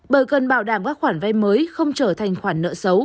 bởi cần bảo đảm các khoản vay mới không trở thành khoản nợ xấu